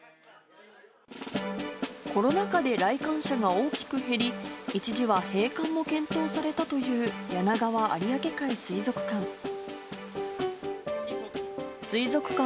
コロナ禍で来館者が大きく減り、一時は閉館も検討されたというやながわ有明海水族館。